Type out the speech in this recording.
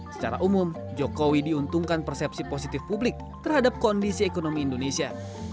secara umum jokowi diuntungkan persepsi positif publik terhadap kondisi ekonomi indonesia